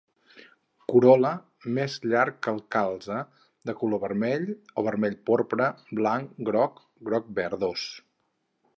Corol·la, més llarg que el calze, de color vermell o vermell porpra, blanc, groc, groc-verdós.